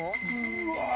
うわ。